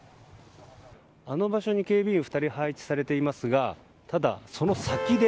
あの場所に警備員２人が配置されていますがただ、その先で。